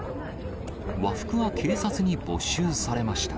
和服は警察に没収されました。